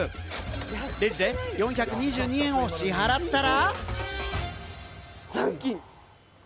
レジで４２２円を支払ったら。